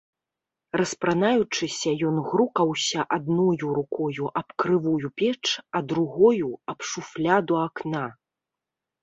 Распранаючыся, ён грукаўся адною рукою аб крывую печ, а другою аб шуфляду акна.